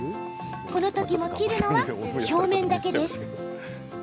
このときも切るのは表面だけ。